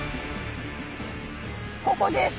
ここです。